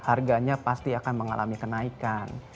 harganya pasti akan mengalami kenaikan